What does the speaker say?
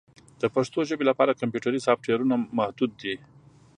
د پښتو ژبې لپاره کمپیوټري سافټویرونه محدود دي.